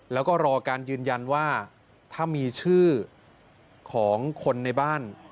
แล้วก็รอการยืนยันว่าถ้ามีชื่อของคนในบ้าน